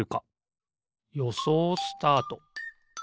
よそうスタート！